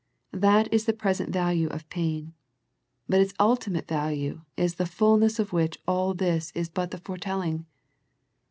That is the present value of pain, but its ultimate value is the fulness of which all this is but the foretelling.